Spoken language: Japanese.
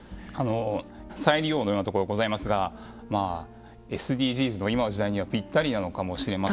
再利用のようなところがございますがＳＤＧｓの今の時代にはぴったりなのかもしれませんし。